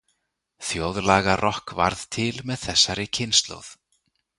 Þjóðlagarokk varð til með þessari kynslóð.